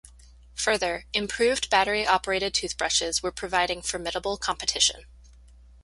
Further, improved battery-operated toothbrushes were providing formidable competition.